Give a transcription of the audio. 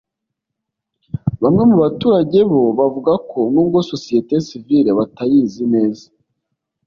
Bamwe mu baturage bo bavuga ko n’ubwo sosiyete sivile batayizi neza